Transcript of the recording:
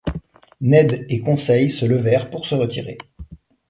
Ned et Conseil se levèrent pour se retirer.